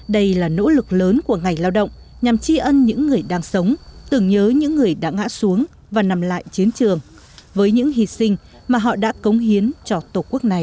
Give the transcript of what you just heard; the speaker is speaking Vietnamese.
đây là nỗ lực lớn của ngày lao động nhằm tri ân những người đang sống tưởng nhớ những người đã ngã xuống và nằm lại chiến trường với những hy sinh mà họ đã cống hiến cho tổ quốc này